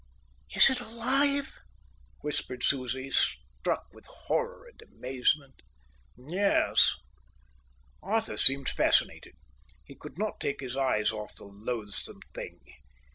"Is it alive?" whispered Susie, struck with horror and amazement. "Yes!" Arthur seemed fascinated. He could not take his eyes off the loathsome thing.